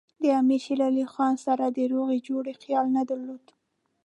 د امیر شېر علي خان سره د روغې جوړې خیال نه درلود.